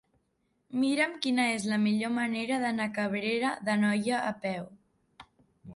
Mira'm quina és la millor manera d'anar a Cabrera d'Anoia a peu.